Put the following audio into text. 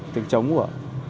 tiếng trống của